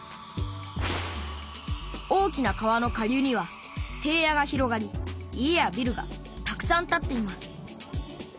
大きな川の下流には平野が広がり家やビルがたくさん建っています。